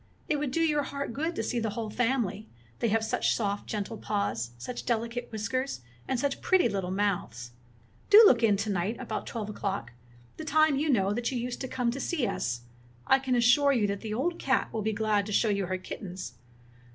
It would do your heart good to see the whole family, they have such soft, gentle paws, such delicate whiskers, and such pretty little mouths! Do look in to night about twelve o'clock — the time, you know, 30 Fairy Tale Bears that you used to come to see us. I can assure you that the old cat will be glad to show you her kittens.